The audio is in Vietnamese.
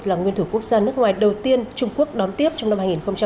là nguyên thủ quốc gia nước ngoài đầu tiên trung quốc đón tiếp trong năm hai nghìn hai mươi